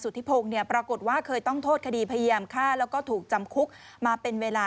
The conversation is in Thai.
เดี่ยวเป็นไปอยู่บางบางนะ